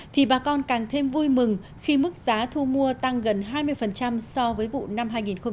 thì bà con càng thêm vui mừng khi mức giá thu mua tăng gần hai mươi so với vụ năm hai nghìn một mươi tám